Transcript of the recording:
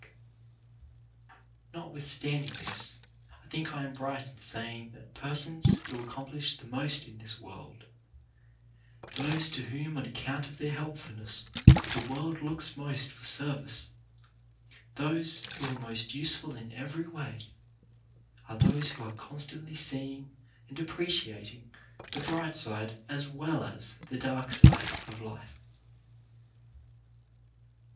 3 4 CHARACTER BUILDING Notwithstanding this, I think I am right in saying that the persons who accomplish most in this world, those to whom on account of their helpfulness the world looks most for service — those who are most useful in every way — are those who are constantly seeing and appreciating the bright side as well as the dark side of life.